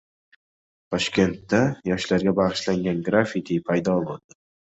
Toshkentda yoshlarga bag‘ishlangan graffiti paydo bo‘ldi